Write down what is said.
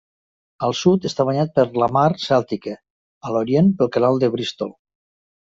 Al sud està banyat per la Mar Cèltica, a l'orient del Canal de Bristol.